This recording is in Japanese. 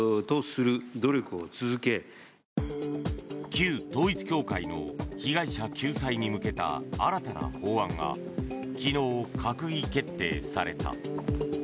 旧統一教会の被害者救済に向けた新たな法案が昨日、閣議決定された。